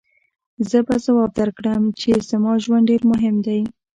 زه به ځواب درکړم چې زما ژوند ډېر مهم دی.